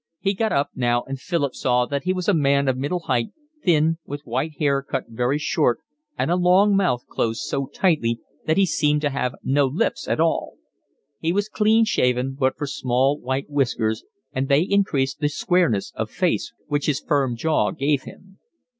He got up now, and Philip saw that he was a man of middle height, thin, with white hair cut very short and a long mouth closed so tightly that he seemed to have no lips at all; he was clean shaven but for small white whiskers, and they increased the squareness of face which his firm jaw gave him.